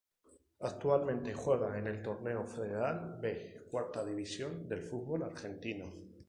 Actualmente juega en el Torneo Federal B, cuarta división del fútbol argentino.